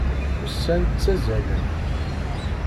Ussan ttazalen.